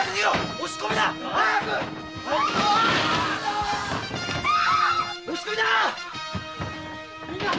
押し込みだ！